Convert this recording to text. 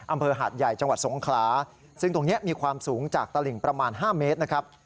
อำเภอหาดใหญ่จังหวัดสงขลาซึ่งตรงนี้มีความสูงจากตลิงประมาณ๕เมตรนะครับ